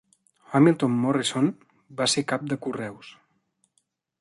Hamilton Morrison va ser cap de correus.